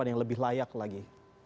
yang lebih layak lagi